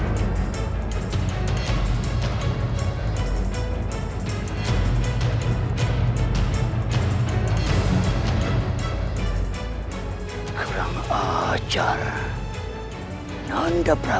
apa khususnya aku menyerang dia